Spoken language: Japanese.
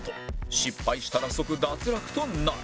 失敗したら即脱落となる